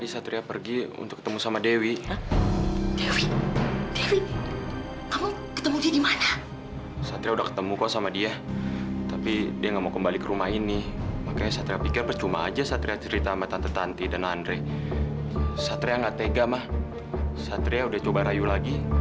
sampai jumpa di video selanjutnya